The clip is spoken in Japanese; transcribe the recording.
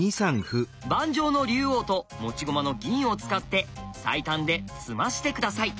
盤上の龍王と持ち駒の銀を使って最短で詰まして下さい。